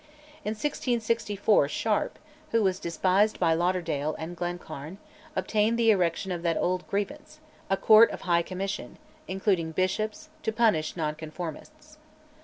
In 1664, Sharp, who was despised by Lauderdale and Glencairn, obtained the erection of that old grievance a Court of High Commission, including bishops, to punish nonconformists.